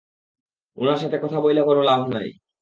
উনার সাথে কথা বইলা কোন লাভ নাই।